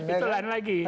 itu lain lagi